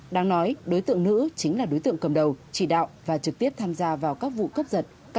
đang nói đối tượng nữ chính là đối tượng cầm đầu chỉ đạo và trực tiếp tham gia